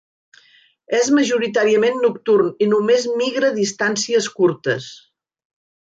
És majoritàriament nocturn i només migra distàncies curtes.